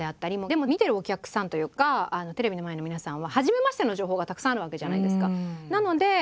でも見てるお客さんというかテレビの前の皆さんは「初めまして」の情報がたくさんあるわけじゃないですか。